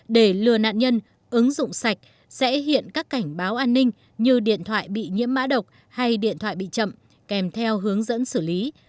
để lừa nạn nhân ứng dụng sạch sẽ hiện các cảnh báo an ninh như điện thoại bị nhiễm mã độc hay điện thoại bị chậm kèm theo hướng dẫn xử lý